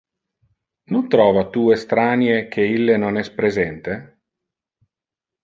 Non trova tu estranie que ille non es presente?